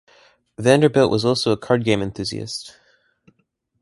Vanderbilt was also a card game enthusiast.